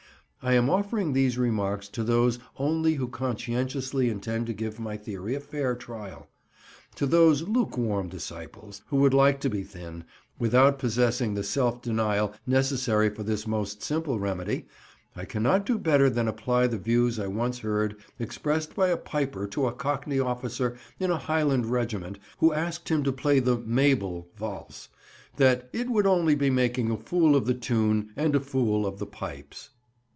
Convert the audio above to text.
I am offering these remarks to those only who conscientiously intend to give my theory a fair trial. To those lukewarm disciples who would like to be thin, without possessing the self denial necessary for this most simple remedy, I cannot do better than apply the views I once heard expressed by a piper to a cockney officer in a Highland regiment who asked him to play the "Mabel" valse—that "it would only be making a fool of the tune and a fool of the pipes."